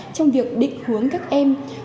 trong việc định hướng các em